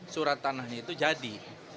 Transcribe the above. surat tanahnya itu jadi